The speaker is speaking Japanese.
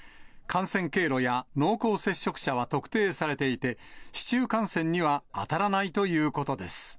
感染経路や濃厚接触者は特定されていて、市中感染には当たらないということです。